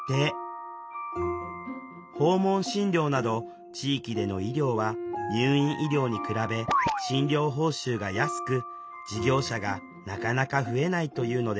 訪問診療など地域での医療は入院医療に比べ診療報酬が安く事業者がなかなか増えないというのです。